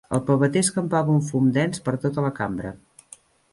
El peveter escampava un fum dens per tota la cambra.